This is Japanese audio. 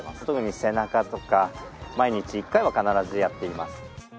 特に背中とか毎日一回は必ずやっています。